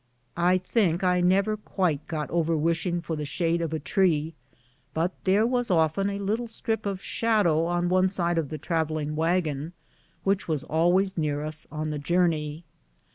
I think I never got quite over wishing for the shade of a tree ; but there was often a little strip of shadow on one side of the travelling wagon, which was always near us on the journey.